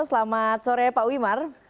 selamat sore pak wimar